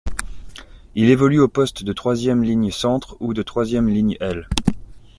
Il évolue au poste de troisième ligne centre ou de troisième ligne aile.